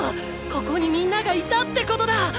ここに皆がいたってことだ！